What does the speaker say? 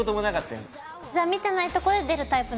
じゃあ見てないとこで出るタイプなんだ。